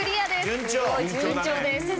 順調です。